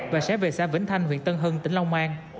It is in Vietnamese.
và xé về xa vĩnh thanh huyện tân hưng tỉnh long an